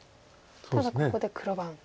ただここで黒番です。